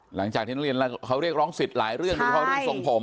หลังจากที่นักเรียนเขาเรียกร้องสิทธิ์หลายเรื่องโดยเฉพาะเรื่องทรงผม